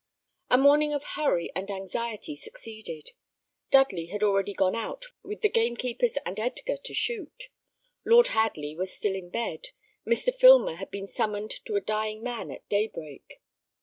A morning of hurry and anxiety succeeded. Dudley had already gone out with the gamekeepers and Edgar to shoot; Lord Hadley was still in bed; Mr. Filmer had been summoned to a dying man at daybreak.